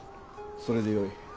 それでよい。